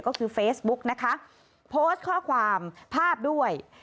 ก็คือเฟซบุ๊กนะคะโพสต์ข้อความภาพด้วย